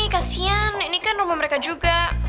kasian ini kan rumah mereka juga